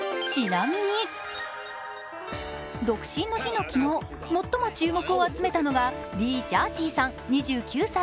独身の日の昨日、最も注目を集めたのが、リー・ジャーチーさん２９歳。